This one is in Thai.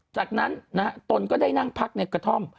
จากนั้นตนก็ได้นั่งพักในกระท่อม